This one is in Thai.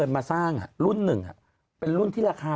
ปรากฏว่า